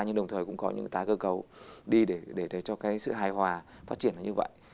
nhưng đồng thời cũng có những tái cơ cầu đi để cho sự hài hòa phát triển như vậy